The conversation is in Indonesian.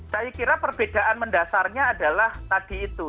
saya kira perbedaan mendasarnya adalah tadi itu